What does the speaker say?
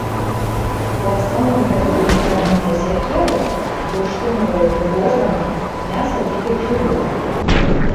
У асноўным гэта былі каменныя сякеры, бурштынавыя ўпрыгожванні, мяса дзікіх жывёл.